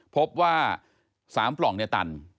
พบว่า๓ปล่องเนี่ยตัน